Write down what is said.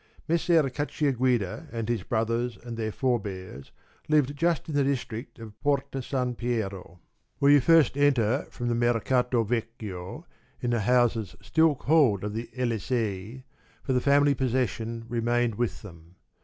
Messer Cacciaguida and his brothers and their forebears, lived just in the district of Porta San Piero, ii6 where you first enter from the Mercato Vecchio, in the houses still called of the Elisei, for the family possession remained with them.